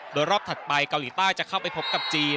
โดยรอบถัดไปเกาหลีใต้จะเข้าไปพบกับจีน